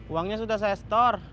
uangnya sudah saya store